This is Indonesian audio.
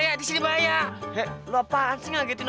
aduh apaan tuh